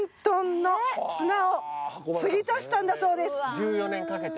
１４年かけて？